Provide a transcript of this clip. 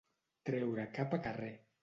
Treure cap a carrer.